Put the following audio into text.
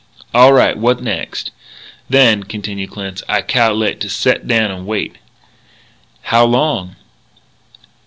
"All right. What next?" "Then," continued Clinch, "I cal'late to set down and wait." "How long?"